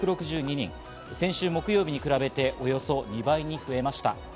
先週木曜日に比べて、およそ２倍に増えました。